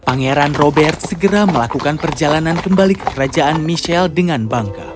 pangeran robert segera melakukan perjalanan kembali ke kerajaan michelle dengan bangga